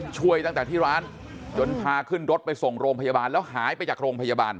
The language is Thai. ช่วยตั้งแต่ที่ร้านจนพาขึ้นรถไปส่งโรงพยาบาลแล้วหายไปจากโรงพยาบาล